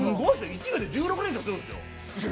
１秒で１６連射するんですよ。